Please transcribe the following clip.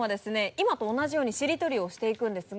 今と同じようにしりとりをしていくんですが。